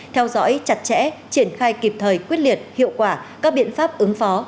theo dõi chặt chẽ triển khai kịp thời quyết liệt hiệu quả các biện pháp ứng phó